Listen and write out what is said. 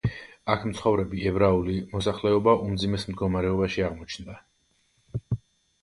აქ მცხოვრები ებრაული მოსახლეობა უმძიმეს მდგომარეობაში აღმოჩნდა.